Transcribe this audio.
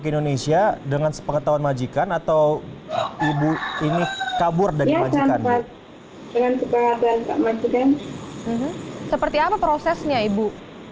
ke indonesia dengan sepeketauan majikan atau ibu ini kabur dan dengan seperti apa prosesnya ibu